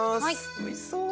おいしそう！